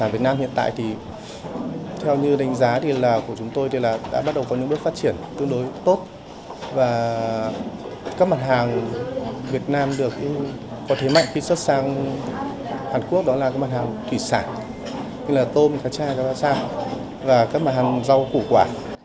đó là mặt hàng thủy sản tôm cá cha cá ba xa và các mặt hàng rau củ quả